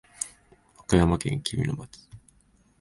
和歌山県紀美野町